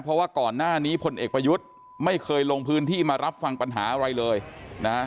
เพราะว่าก่อนหน้านี้พลเอกประยุทธ์ไม่เคยลงพื้นที่มารับฟังปัญหาอะไรเลยนะ